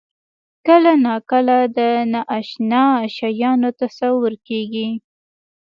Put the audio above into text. کله ناکله د نااشنا شیانو تصور کېږي.